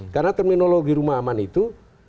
karena terminologi rumah aman itu